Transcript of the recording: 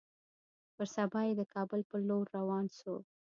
پر سبا يې د کابل پر لور روان سو.